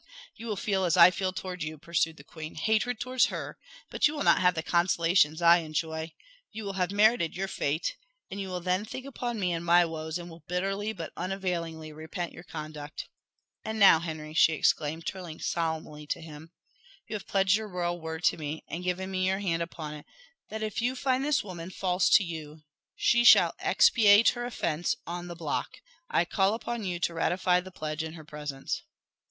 "You will feel as I feel towards you," pursued the queen "hatred towards her; but you will not have the consolations I enjoy. You will have merited your fate, and you will then think upon me and my woes, and will bitterly, but unavailingly, repent your conduct. And now, Henry," she exclaimed, turning solemnly to him, "you have pledged your royal word to me, and given me your hand upon it, that if you find this woman false to you she shall expiate her offence on the block. I call upon you to ratify the pledge in her presence."